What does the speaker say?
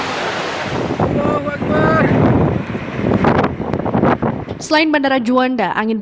selain bandara juanda angin puting beliung juga memaksa aktivitas di bandara juanda sidoarjo